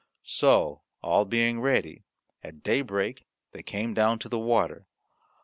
So, all being ready, at daybreak they came down to the water.